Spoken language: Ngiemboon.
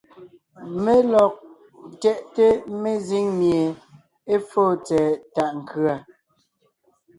Mé lɔg ńtyɛʼte mezíŋ mie é fóo tsɛ̀ɛ tàʼ nkʉ̀a.